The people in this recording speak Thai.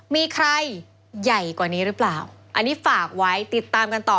มีใครใหญ่กว่านี้หรือเปล่าอันนี้ฝากไว้ติดตามกันต่อ